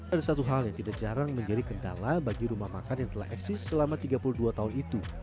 ada satu hal yang tidak jarang menjadi kendala bagi rumah makan yang telah eksis selama tiga puluh dua tahun itu